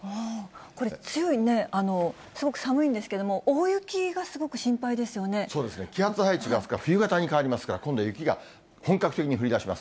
これ、強い、すごく寒いんですけれども、気圧配置が冬型に変わりますから、今度、雪が本格的に降りだします。